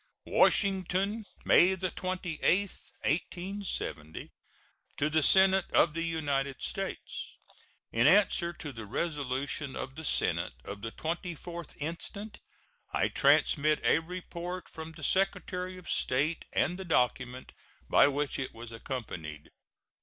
WASHINGTON, May 28, 1870. To the Senate of the United States: In answer to the resolution of the Senate of the 24th instant, I transmit a report from the Secretary of State and the document by which it was accompanied.